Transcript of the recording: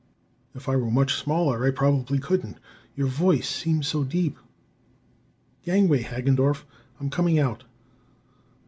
If I were much smaller, I probably couldn't your voice'd seem so deep. Gangway, Hagendorff, I'm coming out!"